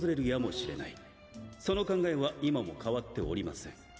その考えは今も変わっておりません。